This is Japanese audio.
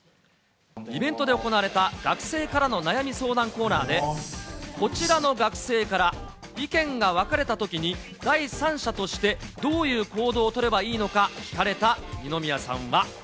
イベントで行われた学生からの悩み相談コーナーで、こちらの学生から意見が分かれたときに、第三者としてどういう行動を取ればいいのか、聞かれた二宮さんは。